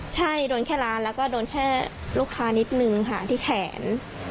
ใช่โดนแค่ร้านแล้วก็โดนแค่ลูกค้านิดนึงค่ะที่แขน